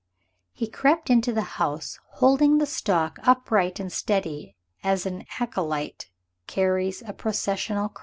He crept into the house holding the stalk upright and steady as an acolyte carries a processional cross.